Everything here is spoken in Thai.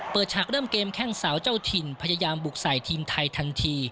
ฉากเริ่มเกมแข้งสาวเจ้าถิ่นพยายามบุกใส่ทีมไทยทันที